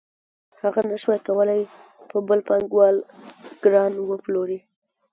هغه نشوای کولی په بل پانګوال ګران وپلوري